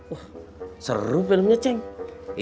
wah seru filmnya cenk